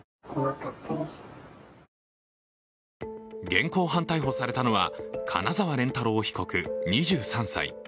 現行犯逮捕されたのは、金澤蓮太郎被告２３歳。